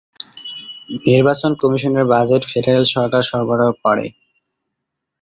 নির্বাচন কমিশনের budget federal সরকার সরবরাহ করে।